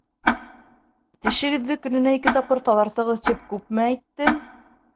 Тешегеҙҙе көнөнә ике тапҡыр таҙартығыҙ тип күпме әйттем?